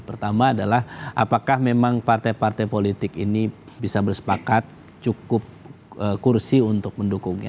pertama adalah apakah memang partai partai politik ini bisa bersepakat cukup kursi untuk mendukungnya